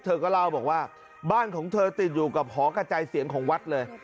เธอก็เล่าบอกว่าบ้านของเธอติดอยู่กับหอกระจายเสียงของวัดเลย